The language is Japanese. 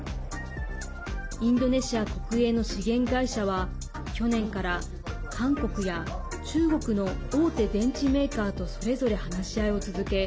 インドネシア国営の資源会社は去年から韓国や中国の大手電池メーカーとそれぞれ話し合いを続け